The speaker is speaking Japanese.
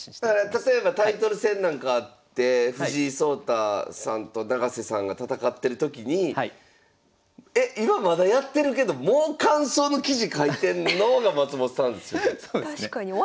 例えばタイトル戦なんかあって藤井聡太さんと永瀬さんが戦ってる時にえっ今まだやってるけどもう感想の記事書いてんの？が松本さんですよ。